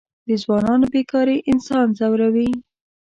د ځوانانو بېکاري انسان ځوروي.